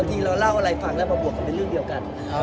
นี่ค่ะนายควรละหอกแต่จะไม่ควรมีผัวค่ะ